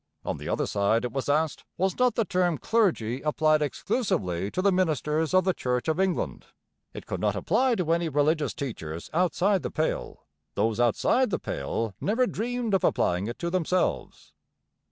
On the other side it was asked, Was not the term 'clergy' applied exclusively to the ministers of the Church of England? It could not apply to any religious teachers outside the pale; those outside the pale never dreamed of applying it to themselves.